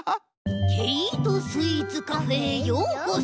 ケイートスイーツカフェへようこそ。